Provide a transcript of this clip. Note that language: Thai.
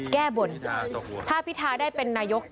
แก้บนถ้าพิทาได้เป็นนายก